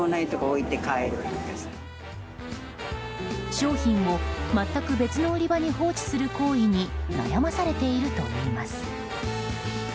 商品を全く別の売り場に放置する行為に悩まされているといいます。